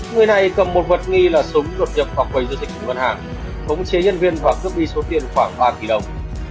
người này cầm một vật nghi là súng đột nhập vào quầy giao dịch của ngân hàng khống chế nhân viên và cướp đi số tiền khoảng ba tỷ đồng